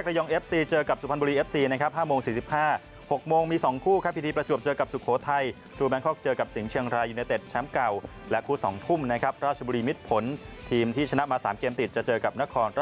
เกิดขึ้นนะครับ